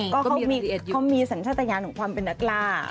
ก็เขามีสัญญาณของความเป็นนักร่า